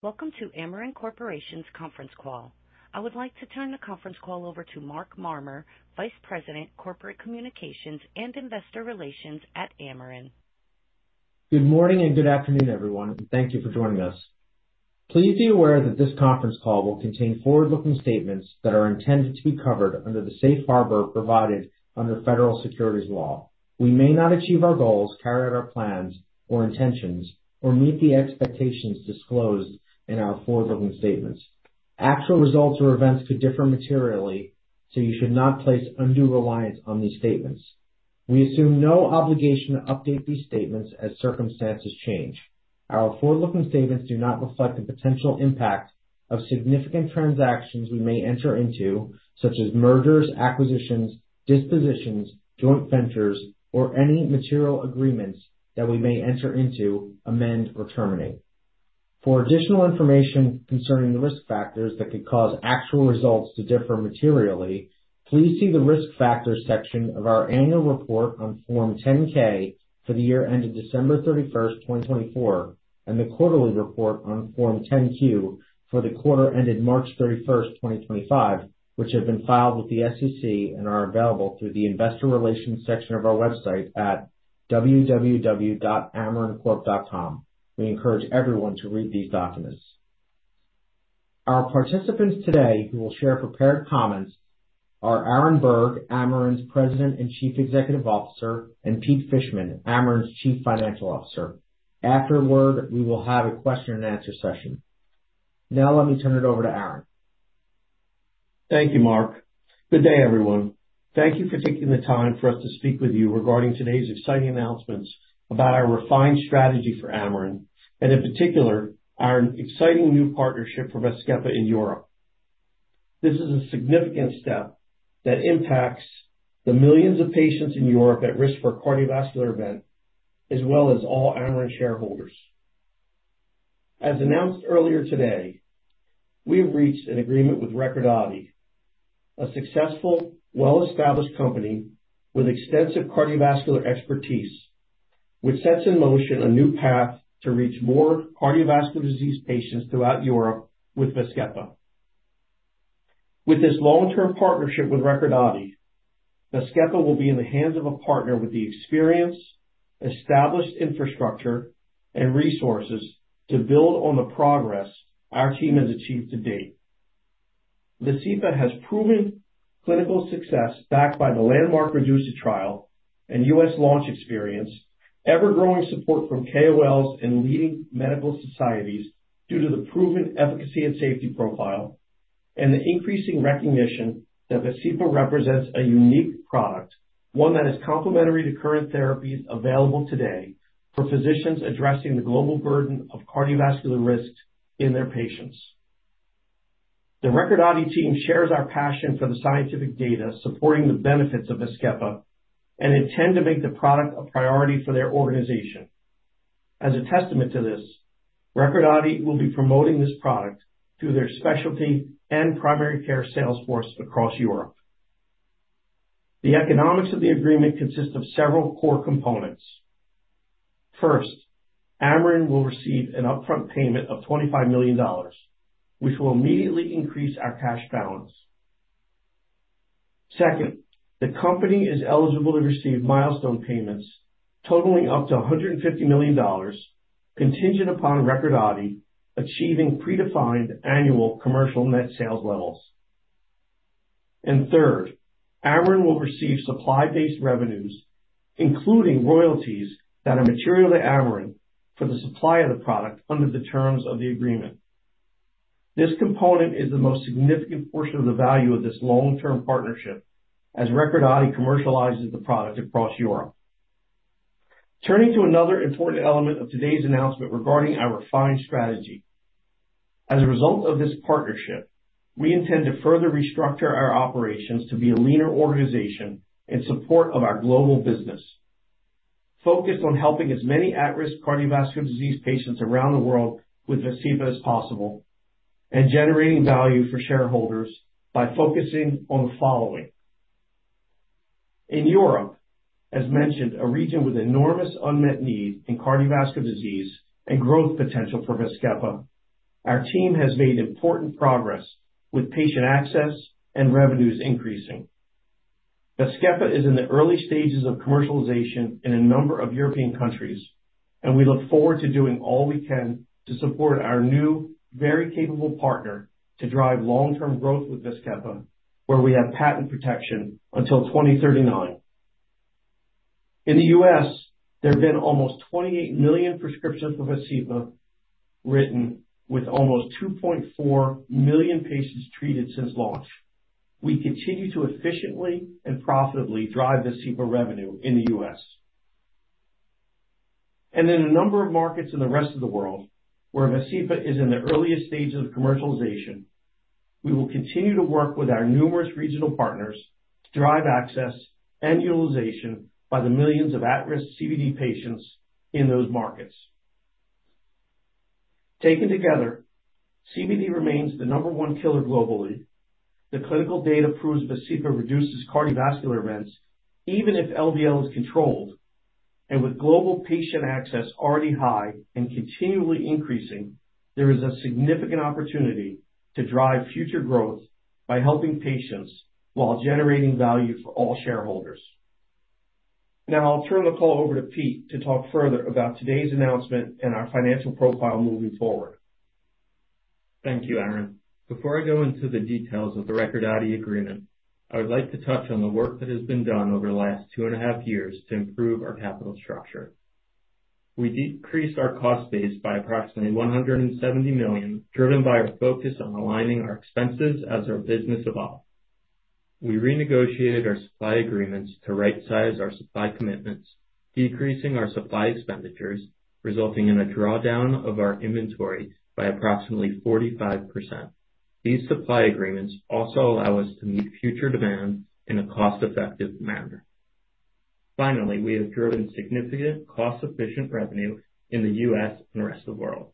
Welcome to Amarin Corporation's conference call. I would like to turn the conference call over to Mark Marmur, Vice President, Corporate Communications and Investor Relations at Amarin. Good morning and good afternoon everyone and thank you for joining us. Please be aware that this conference call will contain forward-looking statements that are intended to be covered under the safe harbor provided under federal securities law. We may not achieve our goals, carry out our plans or intentions, or meet the expectations disclosed in our forward-looking statements. Actual results or events could differ materially, so you should not place undue reliance on these statements. We assume no obligation to update these statements as circumstances change. Our forward-looking statements do not reflect the potential impact of significant transactions we may enter into such as mergers, acquisitions, dispositions, joint ventures or any material agreements that we may enter into, amend or terminate. For additional information concerning the risk factors that could cause actual results to differ materially, please see the Risk Factors section of our Annual Report on Form 10-K for the year ended December 31, 2024 and the Quarterly Report on Form 10-Q for the quarter ended March 31, 2025 which have been filed with the SEC and are available through the Investor Relations section of our website at www.amarincorp.com. We encourage everyone to read these documents. Our participants today who will share prepared comments are Aaron Berg, Amarin's President and Chief Executive Officer, and Pete Fishman, Amarin's Chief Financial Officer. Afterward we will have a question and answer session. Now let me turn it over to Aaron. Thank you, Mark. Good day everyone. Thank you for taking the time for us to speak with you regarding today's exciting announcements about our refined strategy for Amarin and in particular our exciting new partnership for VAZKEPA in Europe. This is a significant step that impacts the millions of patients in Europe at risk for cardiovascular event as well as all Amarin shareholders. As announced earlier today, we have reached an agreement with Recordati, a successful, well established company with extensive cardiovascular expertise which sets in motion a new path to reach more cardiovascular disease patients throughout Europe with VAZKEPA. With this long term partnership with Recordati, VAZKEPA will be in the hands of a partner with the experience, established infrastructure and resources to build on the progress our team has achieved to date. VAZKEPA has proven clinical success backed by the landmark REDUCE-IT trial and U.S. launch experience, ever-growing support from KOLs and leading medical societies due to the proven efficacy and safety profile, and the increasing recognition that VAZKEPA represents a unique product, one that is complementary to current therapies available today for physicians addressing the global burden of cardiovascular risks in their patients. The Recordati team shares our passion for the scientific data supporting the benefits of VAZKEPA and intend to make the product a priority for their organization. As a testament to this, Recordati will be promoting this product through their specialty and primary care sales force across Europe. The economics of the agreement consists of several core components. First, Amarin will receive an upfront payment of $25 million which will immediately increase our cash balance. Second, the company is eligible to receive milestone payments totaling up to $150 million contingent upon Recordati achieving predefined annual commercial net sales levels, and third, Amarin will receive supply-based revenues including royalties that are material to Amarin for the supply of the product. Under the terms of the agreement, this component is the most significant portion of the value of this long-term partnership as Recordati commercializes the product across Europe. Turning to another important element of today's announcement regarding our refined strategy, as a result of this partnership, we intend to further restructure our operations to be a leaner organization in support of our global business focused on helping as many at risk cardiovascular disease patients around the world with VAZKEPA as possible and generating value for shareholders by focusing on the following. In Europe, as mentioned, a region with enormous unmet need in cardiovascular disease and growth potential for VAZKEPA, our team has made important progress with patient access and revenues increasing. VAZKEPA is in the early stages of commercialization in a number of European countries and we look forward to doing all we can to support our new very capable partner to drive long term growth with VAZKEPA where we have patent protection until 2039. In the U.S. there have been almost 28 million prescriptions for VAZKEPA written with almost 2.4 million patients treated since launch. We continue to efficiently and profitably drive VAZKEPA revenue in the U.S. and in a number of markets in the rest of the world where VAZKEPA is in the earliest stages of commercialization. We will continue to work with our numerous regional partners to drive access and utilization by the millions of at-risk CVD patients in those markets. Taken together, CVD remains the number one killer globally. The clinical data proves VAZKEPA reduces cardiovascular events even if LDL is controlled, and with global patient access already high and continually increasing, there is a significant opportunity to drive future growth by helping patients while generating value for all shareholders. Now I'll turn the call over to Pete to talk further about today's announcement and our financial profile moving forward. Thank you, Aaron. Before I go into the details of the Recordati agreement, I would like to touch on the work that has been done over the last two and a half years to improve our capital structure. We decreased our cost base by approximately $170 million, driven by our focus on aligning our expenses as we renegotiated our supply agreements to right size our supply commitments, decreasing our supply expenditures, resulting in a drawdown of our inventory by approximately 45%. These supply agreements also allow us to meet future demand in a cost-effective manner. Finally, we have driven significant cost efficient revenue in the U.S. and rest of the world.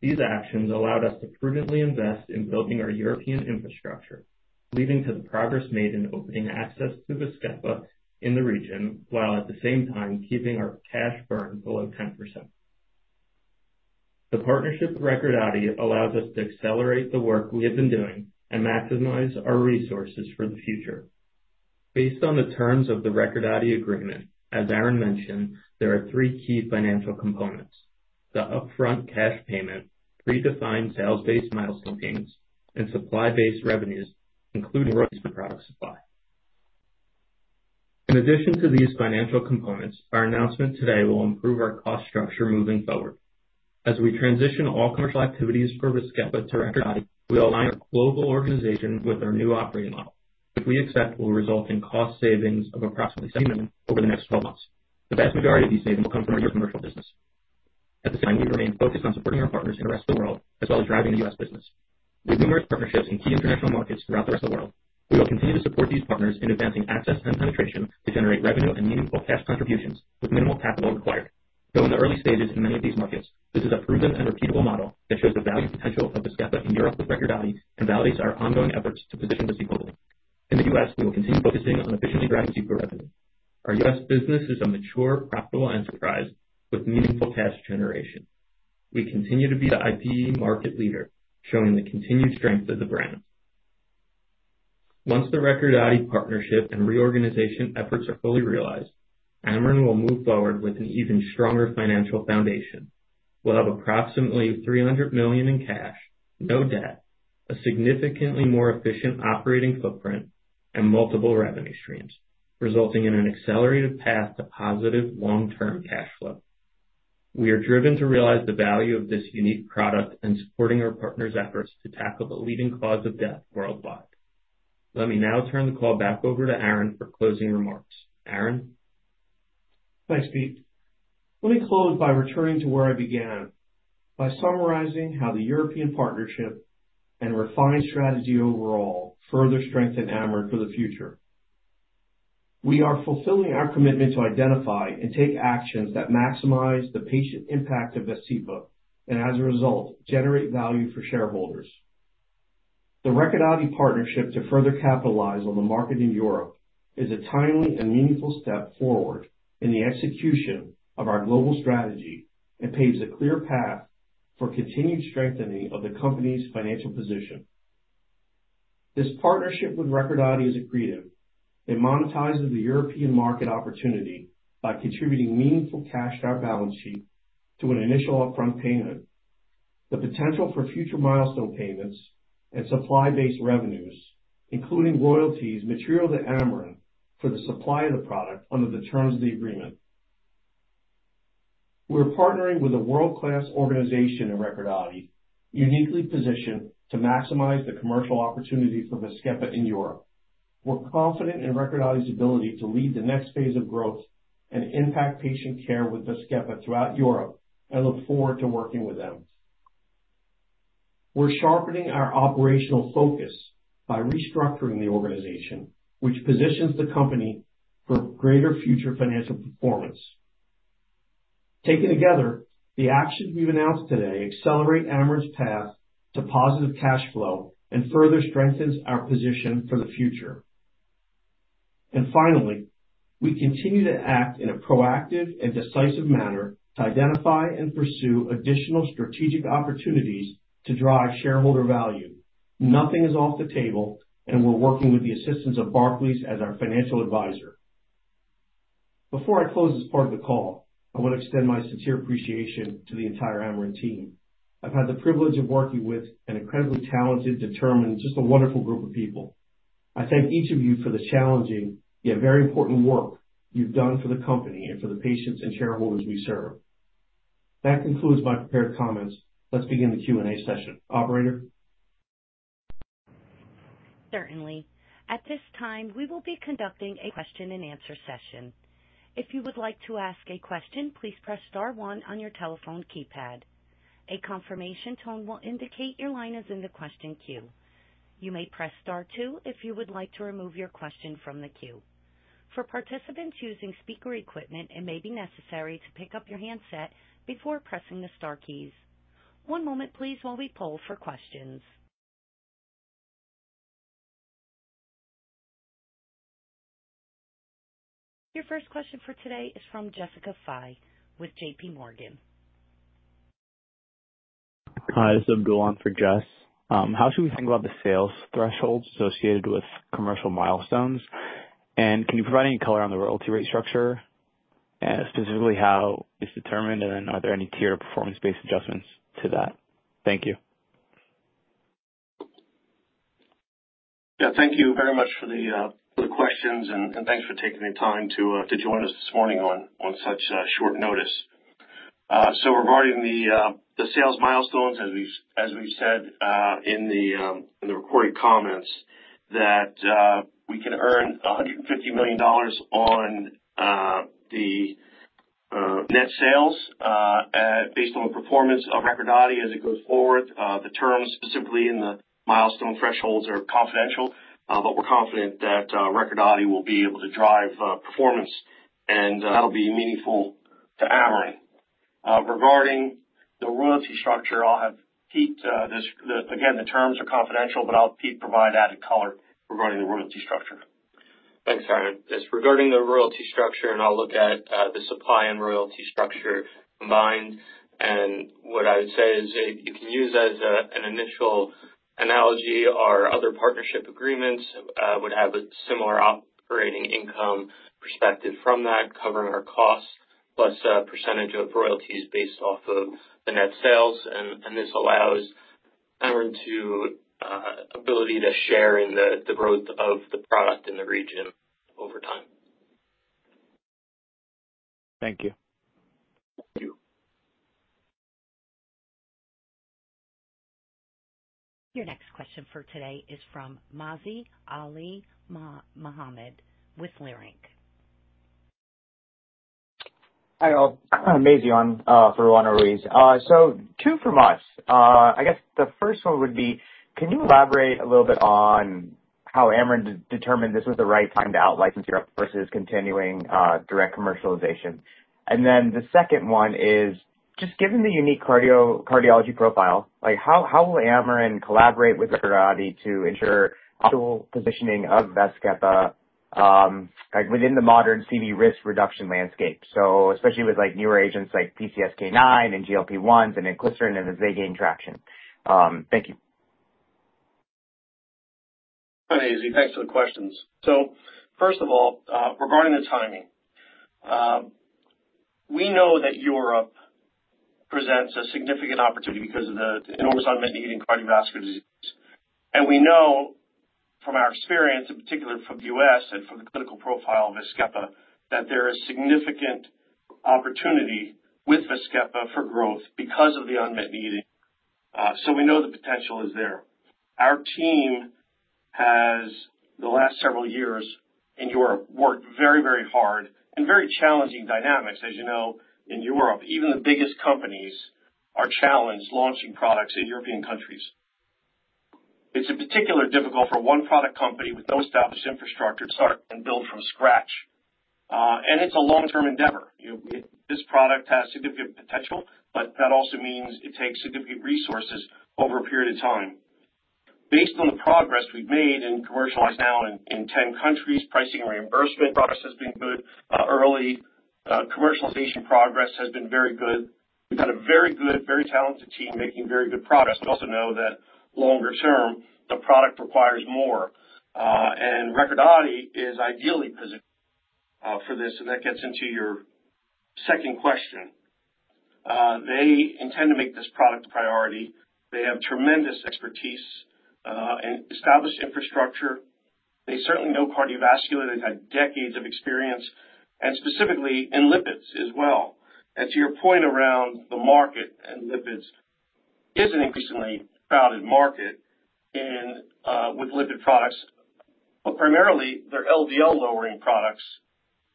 These actions allowed us to prudently invest in building our European infrastructure, leading to the progress made in opening access to VAZKEPA in the region while at the same time keeping our cash burn below 10%. The partnership with Recordati allows us to accelerate the work we have been doing and maximize our resources for the future. Based on the terms of the Recordati agreement, as Aaron mentioned, there are three key financials: the upfront cash payment, predefined sales-based milestone payments, and supply-based revenues including product supply. In addition to these financial components, our announcement today will improve our cost structure moving forward as we transition all commercial activities for Europe to Recordati. We align our global organization with our new operating model, which we expect will result in cost savings of approximately $70 million over the next 12 months. The vast majority of these savings will come from our commercial business. At the same time, we remain focused on supporting our partners in the rest of the world as well as driving the U.S. business with numerous partnerships in key international markets throughout the rest of the world. We will continue to support these partners in advancing access and penetration to generate revenue and meaningful cash contributions with minimal capital required. Though in the early stages in many of these markets, this is a proven and repeatable model that shows the value potential of the VAZKEPA in Europe with Recordati and validates our ongoing efforts to position this equally. In the U.S., we will continue focusing on efficiently driving deeper revenue. Our U.S. business is a mature, profitable enterprise with meaningful cash generation. We continue to be the IP market leader showing the continued strength of the brand. Once the Recordati partnership and reorganization efforts are fully realized, Amarin will move forward with an even stronger financial foundation. We'll have approximately $300 million in cash, no debt, a significantly more efficient operating footprint and multiple revenue streams resulting in an accelerated path to positive long term cash flow. We are driven to realize the value of this unique product and supporting our partners' efforts to tackle the leading cause of death worldwide. Let me now turn the call back over to Aaron for closing remarks. Aaron. Thanks Pete. Let me close by returning to where I began by summarizing how the European partnership and refined strategy overall further strengthen Amarin for the future. We are fulfilling our commitment to identify and take actions that maximize the patient impact of VAZKEPA and as a result generate value for shareholders. The Recordati partnership to further capitalize on the market in Europe is a timely and meaningful step forward in the execution of our global strategy and paves a clear path for continued strengthening of the company's financial position. This partnership with Recordati is accretive. It monetizes the European market opportunity by contributing meaningful cash to our balance sheet, through an initial upfront payment, the potential for future milestone payments and supply-based revenues including royalties material to Amarin for the supply of the product. Under the terms of the agreement, we're partnering with a world-class organization in Recordati, uniquely positioned to maximize the commercial opportunity for VAZKEPA in Europe. We're confident in Recordati's ability to lead the next phase of growth and impact patient care with VAZKEPA throughout Europe and look forward to working with them. We're sharpening our operational focus by restructuring the organization, which positions the company for greater future financial performance. Taken together, the actions we've announced today accelerate Amarin's path to positive cash flow and further strengthen our position for the future. Finally, we continue to act in a proactive and decisive manner to identify and pursue additional strategic opportunities to drive shareholder value. Nothing is off the table, and we're working with the assistance of Barclays as our financial advisor. Before I close this part of the call, I want to extend my sincere appreciation to the entire Amarin team. I've had the privilege of working with an incredibly talented, determined, just a wonderful group of people. I thank each of you for the challenging yet very important work you've done for the company and for the patients and shareholders we serve. That concludes my prepared comments. Let's begin the Q&A session. Operator. Certainly. At this time, we will be conducting a question and answer session. If you would like to ask a question, please press star one on your telephone keypad. A confirmation tone will indicate your line is in the question queue. You may press star two if you would like to remove your question from the queue. For participants using speaker equipment, it may be necessary to pick up your handset before pressing the star keys. One moment please while we poll for questions. Your first question for today is from Jessica Fye with JP Morgan. Hi, this is Abdul on for Jess. How should we think about the sales thresholds associated with commercial milestones? And can you provide any color on the royalty rate structure, specifically how it's determined, and then are there any tier performance-based adjustments to that? Thank you. Thank you very much for the questions and thanks for taking the time to join us this morning on such short notice. Regarding the sales milestones, as we've said in the recorded comments, we can earn $150 million on the net sales based on the performance of Recordati as it goes forward. The terms specifically in the milestone thresholds are confidential, but we're confident that Recordati will be able to drive performance and that'll be meaningful to us. Regarding the royalty structure, I'll have Pete again. The terms are confidential, but I'll have Pete provide added color regarding the royalty structure. Thanks, Aaron. It's regarding the royalty structure, and I'll look at the supply and royalty structure combined, and what I would say is you can use as an initial analogy our other partnership agreements would have a similar operating income perspective from that, covering our costs plus a percentage of royalties based off of the net sales, and this allows the ability to share in the growth of the product in the region over time. Thank you. Your next question for today is from Maizi Ali Mohamed with Leerink. Hi all, Maizi on for Roanna Ruiz. So two from us. I guess the first one would be, can you elaborate a little bit on how Amarin determined this was the right time to out-license Europe versus continuing direct commercialization? And then the second one is, just given the unique cardiology profile, like how will Amarin collaborate with Recordati to ensure optimal positioning of VAZKEPA within the modern CV risk reduction landscape? Especially with newer agents like PCSK9 inhibitors and GLP-1s and inclisiran as they gain traction. Thank you. Hi Maizi, thanks for the questions. So first of all, regarding the timing, we know that Europe presents a significant opportunity because of the enormous unmet need in cardiovascular disease. We know from our experience in particular from the U.S. and from the clinical profile of VAZKEPA that there is significant opportunity with VAZKEPA for growth because of the unmet need. We know the potential is there. Our team has the last several years in Europe worked very very hard and very challenging dynamics. As you know in Europe even the biggest companies are challenged launching products in European countries. It is particularly difficult for a one product company with no established infrastructure to start and build from scratch and it is a long term endeavor. This product has significant potential, but that also means it takes significant resources over a period of time. Based on the progress we have made and commercialized now in 10 countries, pricing and reimbursement progress has been good. Early commercialization progress has been very good. We've got a very good, very talented team making very good progress. We also know that longer term the product requires more and Recordati is ideally positioned for this. That gets into your second question. They intend to make this product a priority. They have tremendous expertise and established infrastructure. They certainly know cardiovascular. They've had decades of experience and specifically in lipids as well. To your point, the market in lipids is an increasingly crowded market with lipid products, but primarily they're LDL lowering products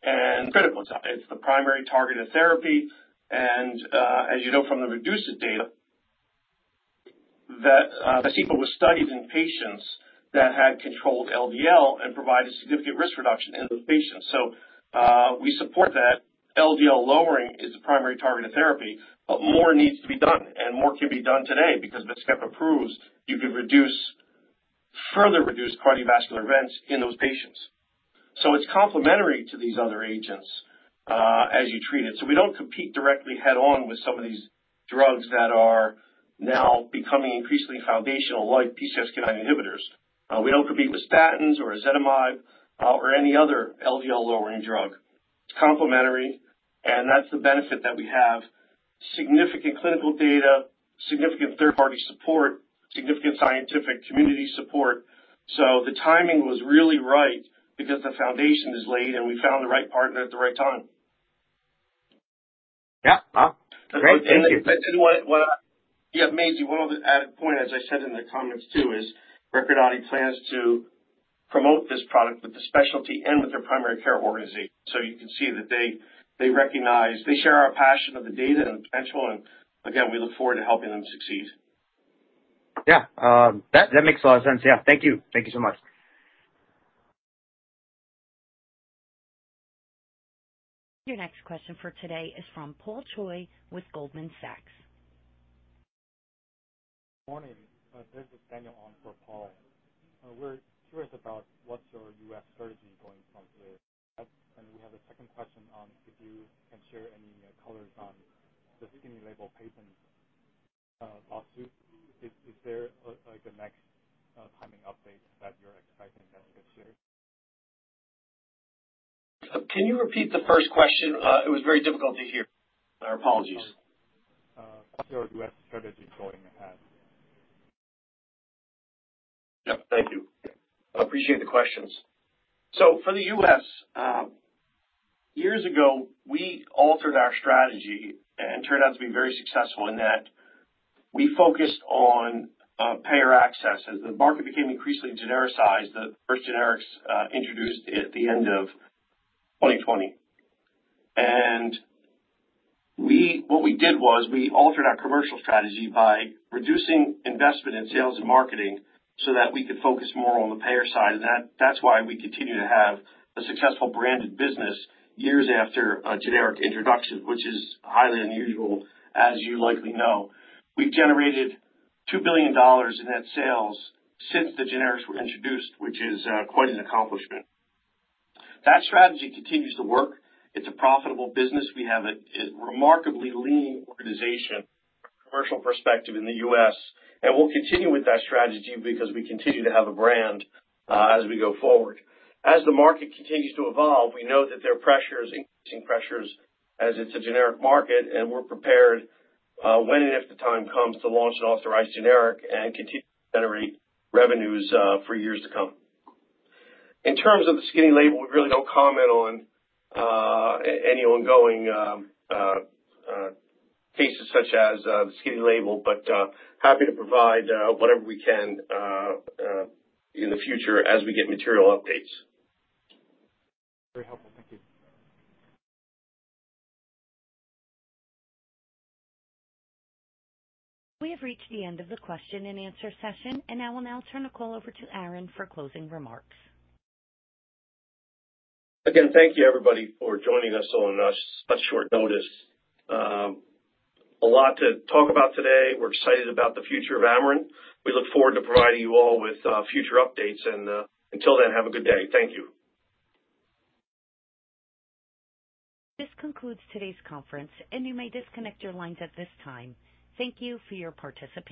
and critical. It's the primary target of therapy. As you know from the REDUCE-IT data, VAZKEPA was studied in patients that had controlled LDL and provided significant risk reduction in the patients. We support that. LDL lowering is the primary targeted therapy. More needs to be done and more can be done today because VAZKEPA approves, you could further reduce cardiovascular events in those patients. It is complementary to these other agents as you treat it. We do not compete directly head on with some of these drugs that are now becoming increasingly foundational like PCSK9 inhibitors. We do not compete with statins or ezetimibe or any other LDL lowering drug. It is complementary and that is the benefit that we have significant clinical data, significant third party support, significant scientific community support. The timing was really right because the foundation is laid and we found the right partner at the right time. Yeah, great, thank you. Maizi, one other added point, as I said in the comments too is Recordati plans to promote this product with the specialty and with their primary care organization. You can see that they recognize they share our passion of the data and potential and again, we look forward to helping them succeed. Yeah, that makes a lot of sense. Yeah, thank you. Thank you so much. Your next question for today is from Paul Choi with Goldman Sachs. Good morning, this is Daniel on for Paul. We're curious about what's your U.S. strategy going from here. And we have a second question on if you can share any colors on the skinny label patent lawsuit. Is there like a next timing update that you're expecting? That's this year. Can you repeat the first question? It was very difficult to hear. Our apologies. What's your U.S. strategy going ahead? Thank you. Appreciate the questions. So for the U.S., years ago, we altered our strategy and turned out to be very successful in that we focused on payer access as the market became increasingly genericized. The first generics introduced at the end of 2020. And what we did was we altered our commercial strategy by reducing investment in sales and marketing so that we could focus more on the payer side. That is why we continue to have a successful branded business years after a generic introduction, which is highly unusual. As you likely know, we have generated $2 billion in net sales since the generics were introduced, which is quite an accomplishment. That strategy continues to work. It is a profitable business. We have a remarkably lean organization commercial perspective in the U.S. and we will continue with that strategy because we continue to have a brand as we go forward. As the market continues to evolve, we know that there are pressures, increasing pressures as it is a generic market and we are prepared when and if the time comes to launch an authorized generic and continue to generate revenues for years to come. In terms of the skinny label, we really do not comment on any ongoing cases such as the skinny label, but happy to provide whatever we can in the future as we get material updates. Very helpful. Thank you. We have reached the end of the question and answer session and I will now turn the call over to Aaron for closing remarks. Again, thank you everybody for joining us on such short notice. A lot to talk about today. We're excited about the future of Amarin. We look forward to providing you all with future updates. Until then, have a good day. Thank you. This concludes today's conference and you may disconnect your lines At this time,. Thank you for your participation.